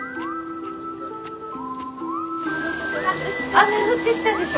雨降ってきたでしょ。